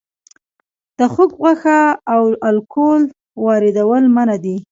د خوګ غوښه او الکول واردول منع دي؟